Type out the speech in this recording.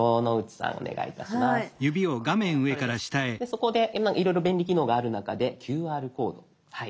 そこでいろいろ便利機能がある中でＱＲコードはい。